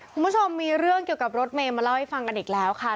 คุณผู้ชมมีเรื่องเกี่ยวกับรถเมย์มาเล่าให้ฟังกันอีกแล้วค่ะ